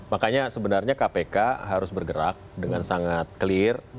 makanya sebenarnya kpk harus bergerak dengan sangat clear